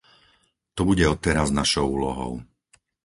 To bude odteraz našou úlohou.